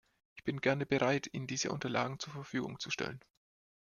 Ich bin gerne bereit, Ihnen diese Unterlagen zur Verfügung zu stellen.